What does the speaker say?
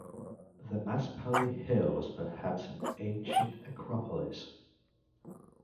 The Maspali hill was perhaps an ancient acropolis.